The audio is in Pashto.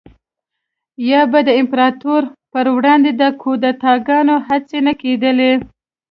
یا به د امپراتورۍ پروړاندې د کودتاګانو هڅې نه کېدلې